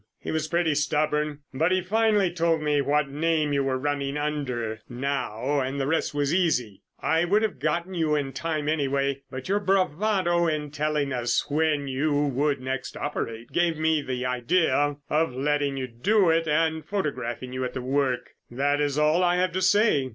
He was pretty stubborn, but he finally told me what name you were running under now, and the rest was easy. I would have got you in time anyway, but your bravado in telling us when you would next operate gave me the idea of letting you do it and photographing you at work. That is all I have to say.